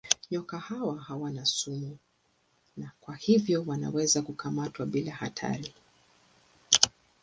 Nyoka hawa hawana sumu na kwa hivyo wanaweza kukamatwa bila hatari.